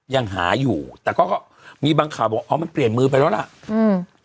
ยังหาอยู่แต่ก็ก็มีบางข่าวบอกอ๋อมันเปลี่ยนมือไปแล้วล่ะอืม